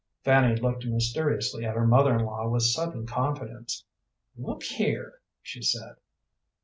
Fanny looked mysteriously at her mother in law with sudden confidence. "Look here," she said.